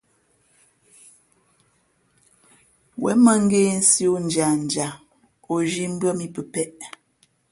Wěn mᾱ ngēsī o ndiandia o zhī mbʉ̄ᾱ mǐ pəpēʼ.